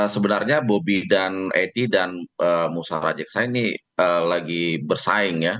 sebenarnya bobi dan eti dan musa rajeksa ini lagi bersaing ya